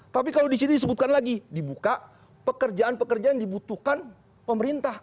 tapi kalau di sini disebutkan lagi dibuka pekerjaan pekerjaan yang dibutuhkan pemerintah